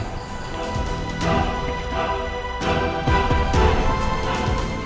ketika roy terbunuh